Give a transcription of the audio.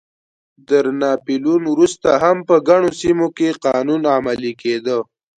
تر ناپلیون وروسته هم په ګڼو سیمو کې قانون عملی کېده.